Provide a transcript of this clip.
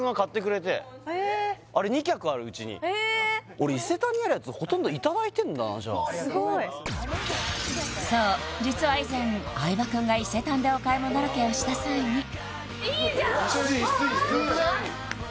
俺伊勢丹にあるやつほとんど頂いてるんだなじゃあすごいそう実は以前相葉くんが伊勢丹でお買い物ロケをした際にいいじゃん椅子椅子椅子よくない？